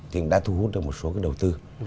thì đã thu hút được một số đầu tư